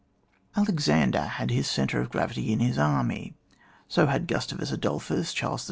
Alexander had his centre of gravity in his army, so had Gustavus Adolphus, Charles XII.